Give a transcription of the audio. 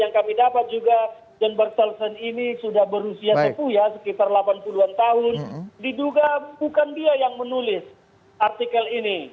yang kami dapat juga janberselson ini sudah berusia tepu ya sekitar delapan puluh an tahun diduga bukan dia yang menulis artikel ini